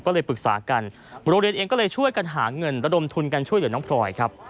ก็เลยปรึกษากันโรงเรียนเองก็เลยช่วยกันหาเงินระดมทุนกันช่วยเหลือน้องพลอยครับ